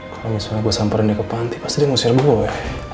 kalau misalnya gue samperin dia ke panti pasti dia ngusir gue